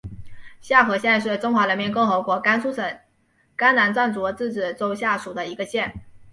夏河县是中华人民共和国甘肃省甘南藏族自治州下属的一个县。